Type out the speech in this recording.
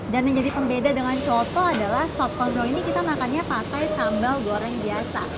dan yang jadi pembeda dengan coto adalah sobkondro ini kita makannya pakai sambal goreng biasa